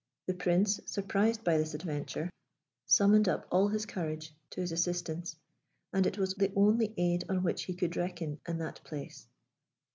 The Prince, surprised by this adventure, summoned up all his courage to his assistance, and it was the only aid on which he could reckon in that place.